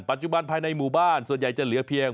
ภายในหมู่บ้านส่วนใหญ่จะเหลือเพียง